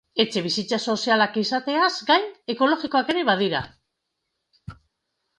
Etxebizitza sozialak izateaz gain, ekologikoak ere badira.